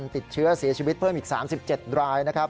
ติดเชื้อเสียชีวิตเพิ่มอีก๓๗รายนะครับ